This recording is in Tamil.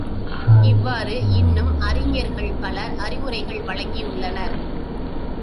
இவ்வாறு இன்னும் அறிஞர்கள் பலர் அறிவுரைகள் வழங்கியுள்ளனர்.